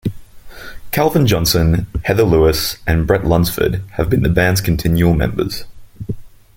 Calvin Johnson, Heather Lewis, and Bret Lunsford have been the band's continual members.